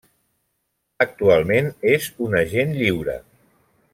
Actualment és un agent lliure.